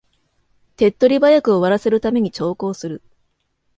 手っ取り早く終わらせるために長考する